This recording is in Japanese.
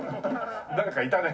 「誰かいたね。